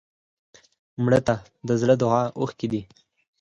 مړه ته د زړه دعا اوښکې دي